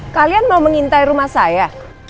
kalian mau mengintai rumah saya